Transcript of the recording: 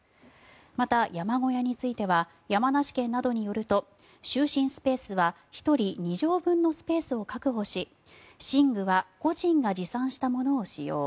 また、山小屋については山梨県などによると就寝スペースは１人２畳分のスペースを確保し寝具は個人が持参したものを使用。